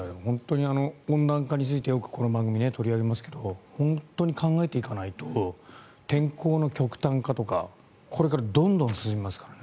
温暖化についてよくこの番組で取り上げますが本当に考えていかないと天候の極端化とかこれからどんどん進みますからね。